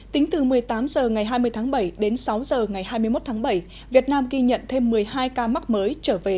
tính từ một mươi tám h ngày hai mươi tháng bảy đến sáu h ngày hai mươi một tháng bảy việt nam ghi nhận thêm một mươi hai ca mắc mới trở về